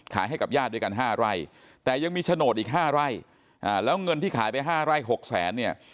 ให้กับญาติด้วยกัน๕ไร่แต่ยังมีโฉนดอีก๕ไร่แล้วเงินที่ขายไปห้าไร่หกแสนเนี่ย